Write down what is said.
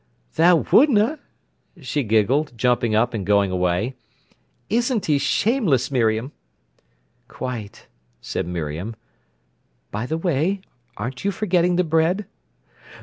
"Tha wunna!" she giggled, jumping up and going away. "Isn't he shameless, Miriam?" "Quite," said Miriam. "By the way, aren't you forgetting the bread?"